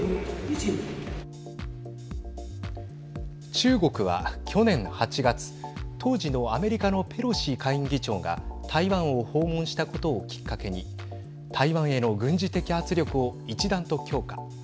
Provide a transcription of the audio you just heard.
中国は去年８月当時のアメリカのペロシ下院議長が台湾を訪問したことをきっかけに台湾への軍事的圧力を一段と強化。